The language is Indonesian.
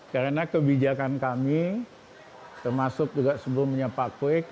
karena kebijakan kami termasuk juga sebelumnya pak kwek